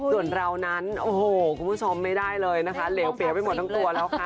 ส่วนเรานั้นโอ้โหคุณผู้ชมไม่ได้เลยนะคะเหลวเปียไปหมดทั้งตัวแล้วค่ะ